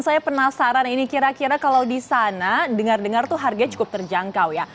saya penasaran ini kira kira kalau di sana dengar dengar tuh harganya cukup terjangkau ya